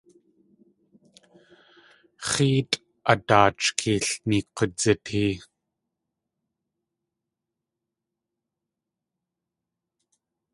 X̲éetʼ a daat shkalneek k̲udzitee.